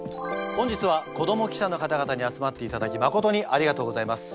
本日は子ども記者の方々に集まっていただきまことにありがとうございます。